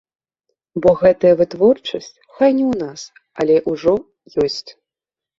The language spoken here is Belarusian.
Бо гэтая вытворчасць, хай не ў нас, але ўжо ёсць.